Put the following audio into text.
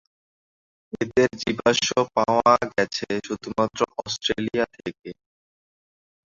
এদের জীবাশ্ম পাওয়া গেছে শুধুমাত্র অস্ট্রেলিয়া থেকে।